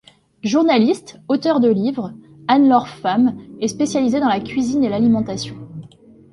Journaliste, auteure de livres, Anne-Laure Pham est spécialisée dans la cuisine et l'alimentation.